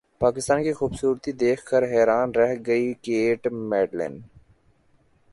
پاکستان کی خوبصورتی دیکھ کر حیران رہ گئی کیٹ مڈلٹن